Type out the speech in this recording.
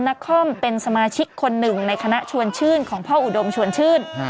นครเป็นสมาชิกคนหนึ่งในคณะชวนชื่นของพ่ออุดมชวนชื่น